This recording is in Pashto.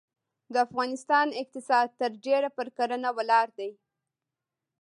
د افغانستان اقتصاد ترډیره پرکرهڼه ولاړ دی.